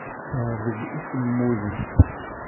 Teɛbed imsemmuden.